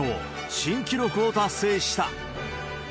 新記録を達成した。